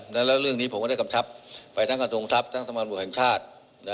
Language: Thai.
แล้วเรื่องนี้ผมก็ได้กำชับไปทั้งกระทรงทัพทั้งตำรวจแห่งชาติ